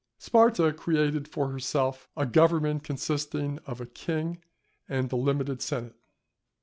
Sparta created for herself a government consisting of a king and a limited senate.